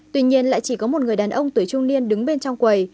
tuy nhiên lại chỉ có một người đàn ông tuổi trung niên đứng bên trong quầy